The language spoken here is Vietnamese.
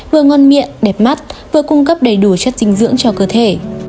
vừa ngon miệng đẹp mắt vừa cung cấp đầy đủ chất dinh dưỡng cho cơ thể